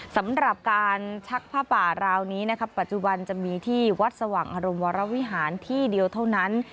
สำหรับการชักผ้าป่าราวนี้นะครับปัจจุบันจะมีที่วัดสว่างอารมณ์วรวิหารที่เดียวเท่านั้น